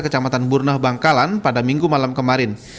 kecamatan burnah bangkalan pada minggu malam kemarin